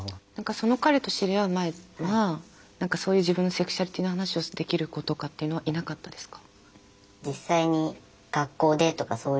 その彼と知り合う前はそういう自分のセクシュアリティーの話をできる子とかっていうのはいなかったですか？